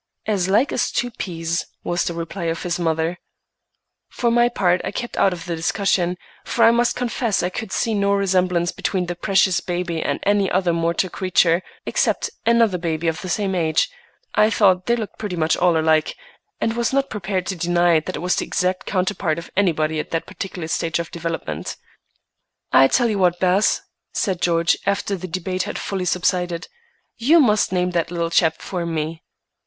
"As like as two peas," was the reply of his mother. For my part I kept out of the discussion, for I must confess I could see no resemblance between the precious baby and any other mortal creature, except another baby of the same age. I thought they looked pretty much all alike, and was not prepared to deny that it was the exact counterpart of anybody at that particular stage of development. "I tell you what, Bess," said George, after the debate had fully subsided, "you must name that little chap for me."